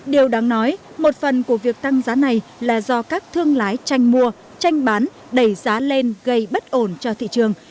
điều đáng nói một phần của việc tăng giá này là do các thương lái tranh mua tranh bán đẩy giá lên gây bất ổn cho thị trường